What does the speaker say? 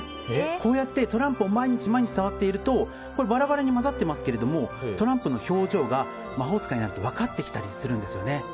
こうやってトランプを毎日触っているとバラバラに混ざっていますけどもトランプの表情が魔法使いになると分かってきたりするんです。